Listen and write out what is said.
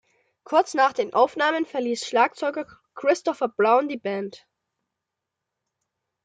Kurz nach den Aufnahmen verließ Schlagzeuger Christopher Brown die Band.